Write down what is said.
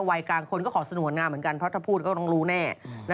วัยกลางคนก็ขอสงวนงามเหมือนกันเพราะถ้าพูดก็ต้องรู้แน่